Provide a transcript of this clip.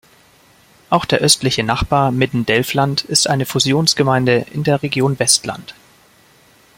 Auch der östliche Nachbar Midden-Delfland ist eine Fusionsgemeinde in der Region Westland.